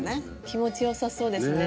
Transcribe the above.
気持ちよさそうですね。